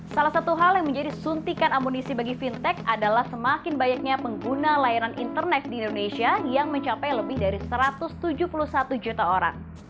salah satu hal yang menjadi suntikan amunisi bagi fintech adalah semakin banyaknya pengguna layanan internet di indonesia yang mencapai lebih dari satu ratus tujuh puluh satu juta orang